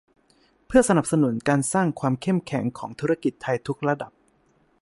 เพื่อสนับสนุนการสร้างความเข้มแข็งของธุรกิจไทยทุกระดับ